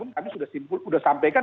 kami sudah sampaikan